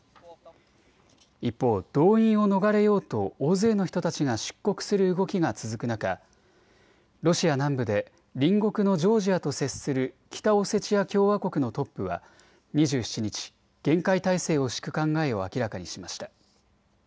一方、動員を逃れようと大勢の人たちが出国する動きが続く中、ロシア南部で隣国のジョージアと接する北オセチア共和国のトップは２７日、厳戒態勢を敷く考えを明らかにしました。